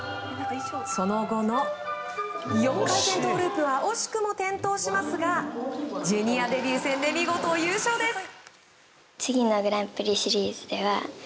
その後の４回転トウループは惜しくも転倒しますがジュニアデビュー戦で見事優勝です。